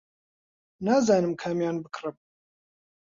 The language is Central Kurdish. نازانم کامیان بکڕم.